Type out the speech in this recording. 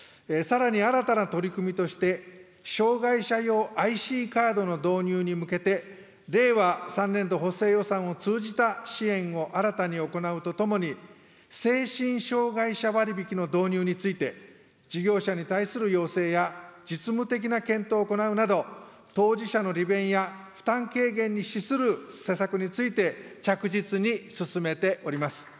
さらに新たな取り組みとして、障害者用ＩＣカードの導入に向けて、令和３年度補正予算を通じた支援を新たに行うとともに、精神障害者割引の導入について、事業者に対する要請や実務的な検討を行うなど、当事者の利便や負担軽減に資する施策について、着実に進めております。